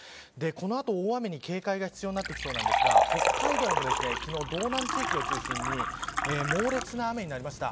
この後、大雨に警戒が必要になってきそうなんですが北海道も昨日、道南地域を中心に猛烈な雨になりました。